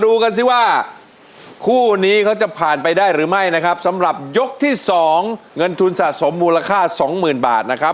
ดูกันสิว่าคู่นี้เขาจะผ่านไปได้หรือไม่นะครับสำหรับยกที่ที่สองเงินทุนสะสมมูลค่า